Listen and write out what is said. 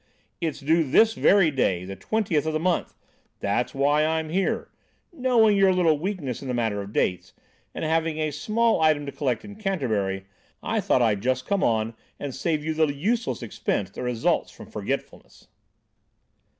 It's due this very day, the twentieth of the month. That's why I'm here. Knowing your little weakness in the matter of dates, and having a small item to collect in Canterbury, I thought I'd just come on, and save you the useless expense that results from forgetfulness."